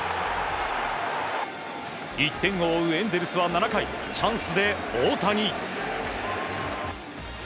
１点を追うエンゼルスは７回チャンスで、大谷。